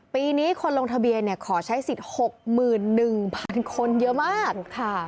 ปีนี้คนลงทะเบียนขอใช้สิทธิ์๖๑๐๐๐คนเยอะมากค่ะ